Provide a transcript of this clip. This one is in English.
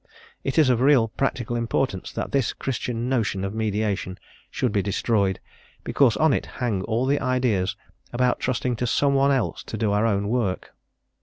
It is of real practical importance that this Christian notion of mediation should be destroyed, because on it hang all the ideas about trusting to some one else to do our own work.